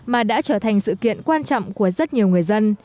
mà đã trở thành sự kiện quan trọng của rất nhiều người dân